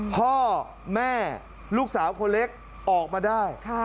พ่อแม่ลูกสาวคนเล็กออกมาได้